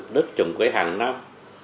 đất trồng cây hàng năm